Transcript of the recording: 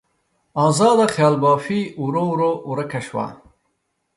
ازاده خیال بافي ورو ورو ورکه شوه.